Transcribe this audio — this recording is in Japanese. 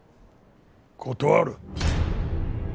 断る。